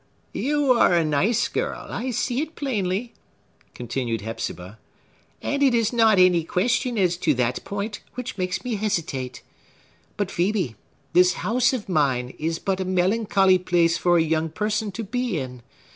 "You are a nice girl,—I see it plainly," continued Hepzibah; "and it is not any question as to that point which makes me hesitate. But, Phœbe, this house of mine is but a melancholy place for a young person to be in.